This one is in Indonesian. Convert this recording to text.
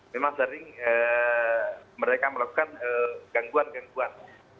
memang sering mereka melakukan gangguan gangguan